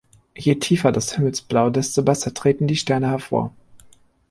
Je tiefer das Himmelsblau, desto besser treten die Sterne hervor.